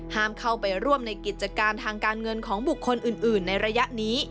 ห้ามเข้าไปร่วมในกิจการทางการเงินของบุคคลอื่นในระยะนี้